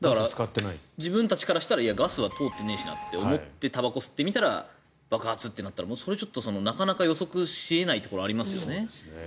自分たちからしたらガス通ってないしなと思ってたばこを吸ってみたら爆発ってなったらそれはなかなか予測し得ないところがありますよね。